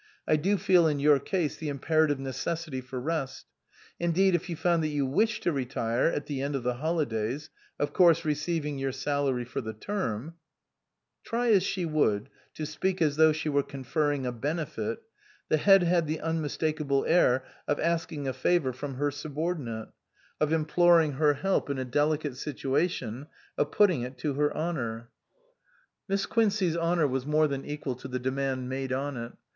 I do feel in your case the imperative necessity for rest. Indeed if you found that you ivished to retire at the end of the holidays of course receiving your salary for the term " Try as she would to speak as though she were conferring a benefit, the Head had the unmis takable air of asking a favour from her sub ordinate, of imploring her help in a delicate situation, of putting it to her honour. 317 SUPERSEDED Miss Quincey's honour was more than equal to the demand made on it.